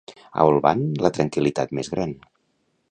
A Olvan, la tranquil·litat més gran.